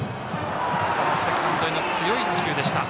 セカンドへの強い打球でした。